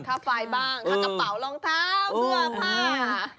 ค่าไฟบ้างค่าจำเปล่ารองเท้าเครือผ้า